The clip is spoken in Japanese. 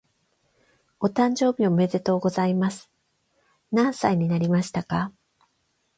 お誕生日おめでとうございます。何歳になりましたか？